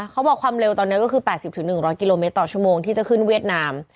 เขาบอกความเร็วตอนเนี้ยก็คือแปดสิบถึงหนึ่งร้อยกิโลเมตรต่อชั่วโมงที่จะขึ้นเวียดนาม